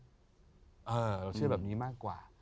เราเชื่อแบบนี้มากกว่า